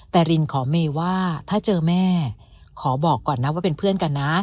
แต่รินขอเมย์ว่าถ้าเจอแม่ขอบอกก่อนนะว่าเป็นเพื่อนกันนะ